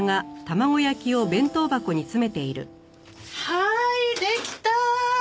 はいできた！